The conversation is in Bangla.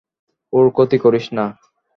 ওর ক্ষতি করিস না!